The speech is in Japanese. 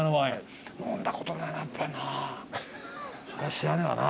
知らねえわな。